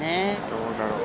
どうだろう。